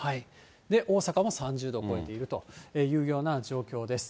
大阪も３０度超えているというような状況です。